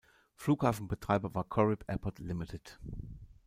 Flughafenbetreiber war Corrib Airport Limited.